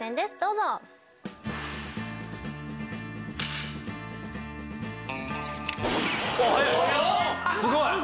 すごい！